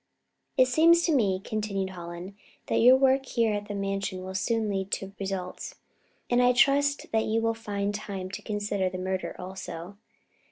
"It seems to me," continued Hallen, "that your work here at the Mansion will soon lead to results, and I trust that you will find time to consider the murder also."